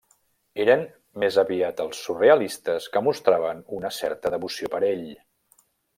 Eren més aviat els surrealistes que mostraven una certa devoció per ell.